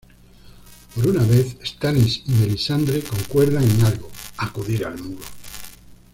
Por una vez, Stannis y Melisandre concuerdan en algo: acudir al Muro.